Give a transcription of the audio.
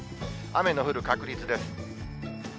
雨の降る確率です。